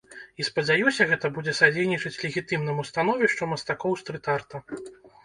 І спадзяюся, гэта будзе садзейнічаць легітымнаму становішчу мастакоў стрыт-арта.